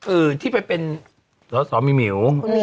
อื้อที่ไปเป็นสมีมหมิ๋ว